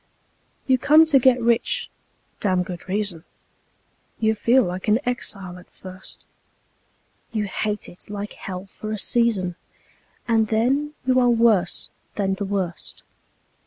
You come to get rich (damned good reason); You feel like an exile at first; You hate it like hell for a season, And then you are worse than the worst.